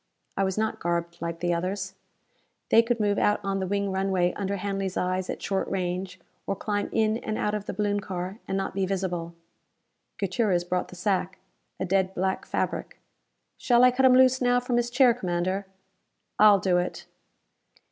I was not garbed like the others. They could move out on the wing runway under Hanley's eyes at short range, or climb in and out of the balloon car, and not be visible. Gutierrez brought the sack. A dead black fabric. "Shall I cut him loose now from his chair, Commander?" "I'll do it."